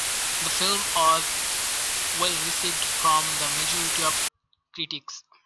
The film was well-received from the majority of critics.